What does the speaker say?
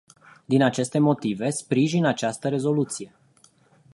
Din aceste motive, sprijin această rezoluție.